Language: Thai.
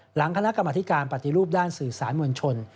คณะกรรมธิการปฏิรูปด้านสื่อสารมวลชน